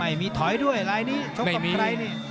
ไม่มีถอยด้วยลายนี้ชกกับใครนี่